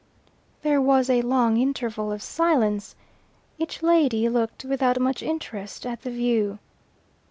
There was a long interval of silence. Each lady looked, without much interest, at the view.